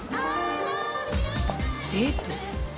デート？